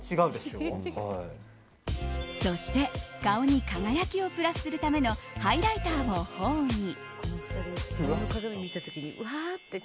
そして顔に輝きをプラスするためのハイライターを頬に。